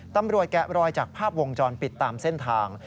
แกะรอยจากภาพวงจรปิดตามเส้นทาง